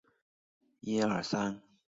之前欠的钱还没还完